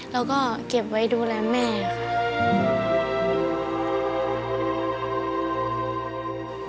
แล้วก็เก็บไว้ดูแลแม่ค่ะ